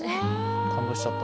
感動しちゃった。